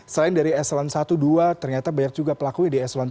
selain dari eselon satu dua ternyata banyak juga pelakunya di eselon dua